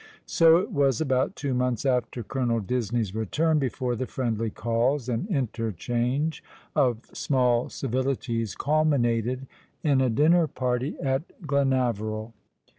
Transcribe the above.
So it was about two months after Colonel Disney's return before the friendly calls and inter change of small civilities culminated in a dinner party at Glenaveril.